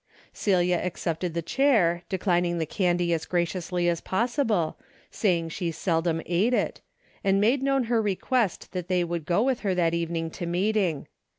Celia accepted the chair, declining the candy as graciously as possible, saying she seldom ate it, and made known her request that they would go with her that evening to meeting.